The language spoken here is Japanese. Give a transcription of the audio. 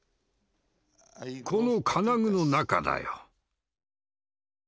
この金具の中だよ。